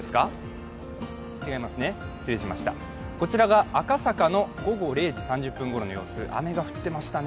こちらが赤坂の午後０時３０分ごろの様子、雨が降ってましたね。